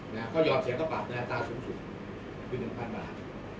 เขายอมเสียความปรับในอัตราสูงสุดคือ๑๐๐๐บาท